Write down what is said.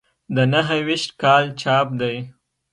د نهه ویشت کال چاپ دی.